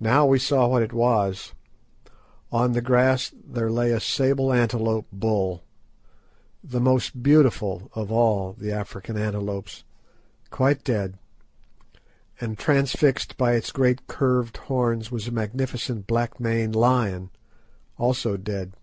Now we saw what it was. On the grass there lay a sable antelope bull—the most beautiful of all the African antelopes—quite dead, and transfixed by its great curved horns was a magnificent black maned lion, also dead.